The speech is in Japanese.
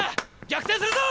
逆転するぞ！